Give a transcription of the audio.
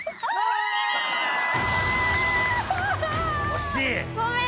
惜しい。